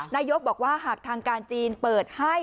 นายกบอกว่าหากทางการจีนเปิดให้